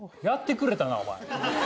やってくれたなお前。